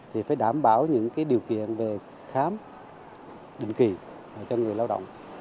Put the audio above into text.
thì phải đảm bảo những điều kiện về khám định kỳ cho người lao động